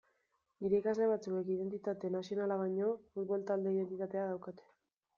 Nire ikasle batzuek identitate nazionala baino futbol-talde identitatea daukate.